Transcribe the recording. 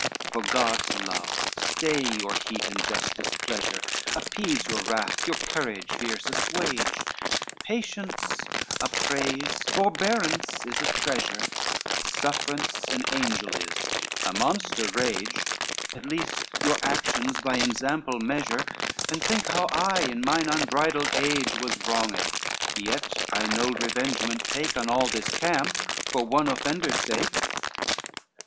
XLVII "For God's love stay your heat, and just displeasure, Appease your wrath, your courage fierce assuage, Patience, a praise; forbearance, is a treasure; Suffrance, an angel's is; a monster, rage; At least you actions by example measure, And think how I in mine unbridled age Was wronged, yet I would not revengement take On all this camp, for one offender's sake.